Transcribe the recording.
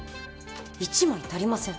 １枚足りません。